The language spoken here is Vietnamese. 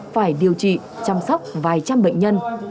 phải điều trị chăm sóc vài trăm bệnh nhân